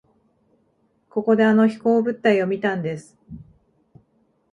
ここであの飛行物体を見たんです。